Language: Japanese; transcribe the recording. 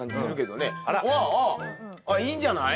あっいいんじゃない？